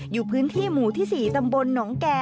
อยู่พื้นที่หมู่ที่๔ตำบลหนองแก่